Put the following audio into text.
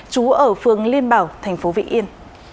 chú ở phường liên bảo thành phố vĩ yên